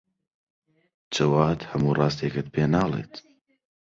جەواد هەموو ڕاستییەکەت پێ ناڵێت.